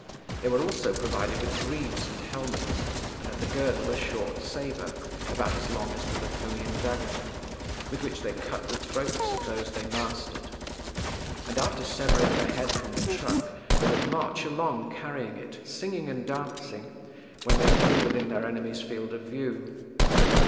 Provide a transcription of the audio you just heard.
They were also provided with greaves and helmets, and at the girdle a short sabre, about as long as the Laconian dagger, with which they cut the throats of those they mastered, and after severing the head from the trunk they would march along carrying it, singing and dancing, when they drew within their enemy's field of view.